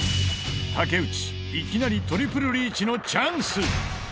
竹内いきなりトリプルリーチのチャンス！